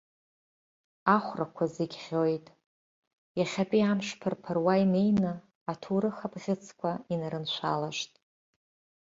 Ахәрақәа зегьы ӷьоит, иахьатәи амш ԥырԥыруа инеины, аҭоурых абӷьыцқәа инарыншәалашт.